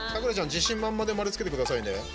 自信満々で丸つけてくださいね。